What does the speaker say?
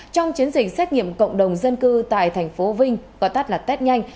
trong chiến dịch xét nghiệm cộng đồng dân cư tại thành phố vinh gọi tắt là test nhanh